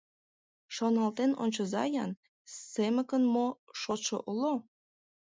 — Шоналтен ончыза-ян: семыкын мо шотшо уло?